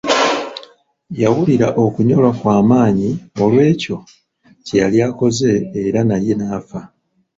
Yawulira okunyolwa kwa maanyi olw'ekyo kye yali akoze era naye n'afa.